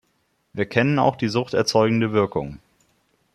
Wir kennen auch die suchterzeugende Wirkung.